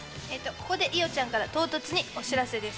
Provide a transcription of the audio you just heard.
ここで伊代ちゃんから唐突にお知らせです。